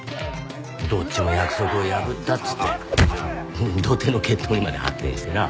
どっちも約束を破ったっつって土手の決闘にまで発展してな。